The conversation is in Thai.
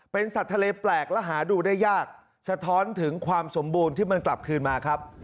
เป็นสัตว์ทะเลแปลกและหาดูได้ยากสะท้อนถึงความสมบูรณ์ที่มันกลับคืนมาครับ